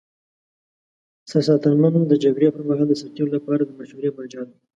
سرساتنمن د جګړې پر مهال د سرتیرو لپاره د مشورې مرجع دی.